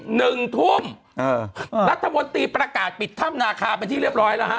หนึ่งทุ่มเออรัฐมนตรีประกาศปิดถ้ำนาคาเป็นที่เรียบร้อยแล้วฮะ